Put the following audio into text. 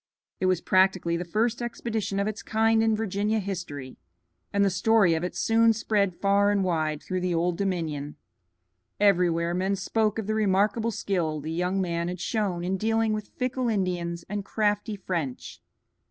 It was practically the first expedition of its kind in Virginian history, and the story of it soon spread far and wide through the Old Dominion. Everywhere men spoke of the remarkable skill the young man had shown in dealing with fickle Indians and crafty French.